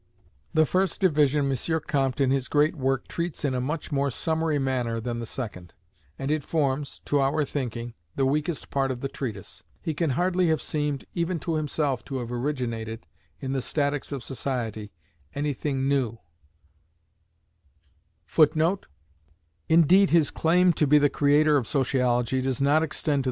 The first division M. Comte, in his great work, treats in a much more summary manner than the second; and it forms, to our thinking, the weakest part of the treatise. He can hardly have seemed even to himself to have originated, in the statics of society, anything new, unless his revival of the Catholic idea of a Spiritual Power may be so considered.